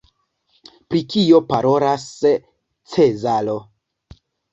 Pri kio parolas Cezaro?